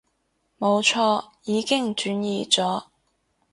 冇錯，已經轉移咗